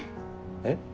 えっ？